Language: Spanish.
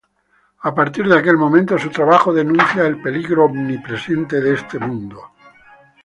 A partir de aquel momento, su trabajo denuncia el peligro omnipresente de este mundo.